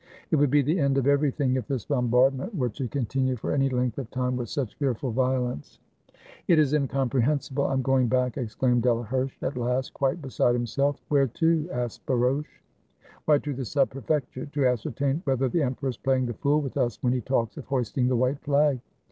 It would be the end of everything if this bombardment were to continue for any length of time with such fearful violence. 397 FRANCE " It 's incomprehensible. I 'm going back !" exclaimed Delaherche, at last, quite beside himself. "Where to?" asked Bouroche. "Why, to the Sub Prefecture, to ascertain whether the emperor 's playing the fool with us when he talks of hoisting the white flag."